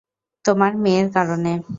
তোমার মেয়ের কারণে।